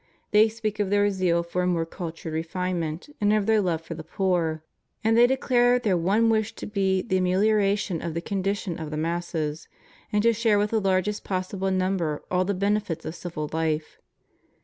They speak of their zeal for a more cultured refinement, and of their love for the poor; and they declare their one wish to be the amelioration of the condi tion of the masses, and to share with the largest possible number all the benefits of civil hfe.